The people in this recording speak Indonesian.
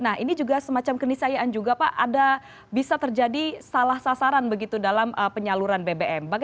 nah ini juga semacam kenisayaan juga pak ada bisa terjadi salah sasaran begitu dalam penyaluran bbm